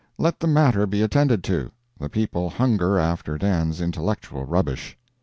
Let the matter be attended to—the people hunger after Dan's intellectual rubbish.